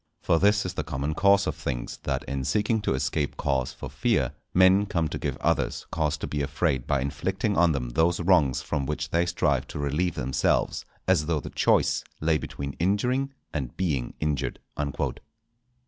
For this is the common course of things, that in seeking to escape cause for fear, men come to give others cause to be afraid by inflicting on them those wrongs from which they strive to relieve themselves; as though the choice lay between injuring and being injured."